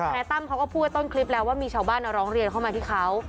นายตั้มเขาก็พูดไว้ต้นคลิปแล้วว่ามีชาวบ้านร้องเรียนเข้ามาที่เขา